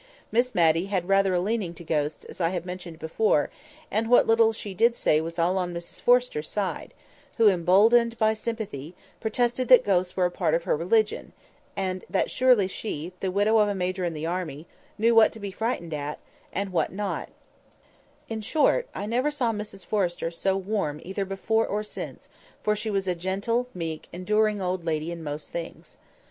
Miss Matty had rather a leaning to ghosts, as I have mentioned before, and what little she did say was all on Mrs Forrester's side, who, emboldened by sympathy, protested that ghosts were a part of her religion; that surely she, the widow of a major in the army, knew what to be frightened at, and what not; in short, I never saw Mrs Forrester so warm either before or since, for she was a gentle, meek, enduring old lady in most things.